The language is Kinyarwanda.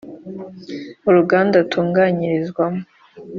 uruganda atunganyirizwamo